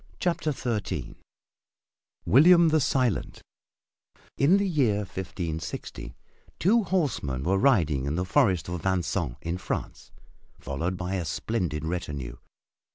CHAPTER XIII WILLIAM THE SILENT In the year 1560 two horsemen were riding in the Forest of Vincennes in France, followed by a splendid retinue.